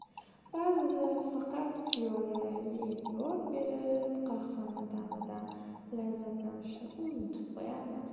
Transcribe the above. Baʼzida, faqat piyolalarga eʼtibor berib, qahvaning taʼmidan lazzatlanishni unutib qoʻyamiz.